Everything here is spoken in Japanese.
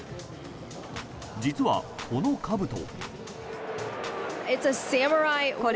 実は、このかぶと。